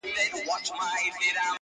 • په سیالانو کي ناسیاله وه خوږ من وه-